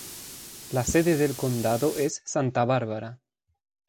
La sede del condado es Santa Bárbara.